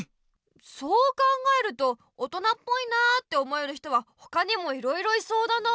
そう考えると大人っぽいなって思える人はほかにもいろいろいそうだな。